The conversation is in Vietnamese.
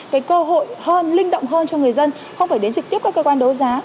cái cơ hội hơn linh động hơn cho người dân không phải đến trực tiếp các cơ quan đấu giá